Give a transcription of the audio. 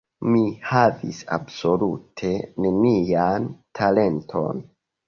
Mi havis absolute nenian talenton.